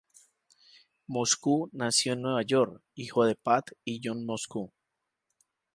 Moscow nació en Nueva York, hijo de Pat y John Moscow.